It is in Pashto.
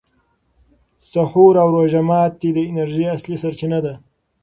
سحور او روژه ماتي د انرژۍ اصلي سرچینه ده.